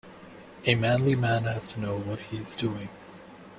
A manly man has to know what he is doing.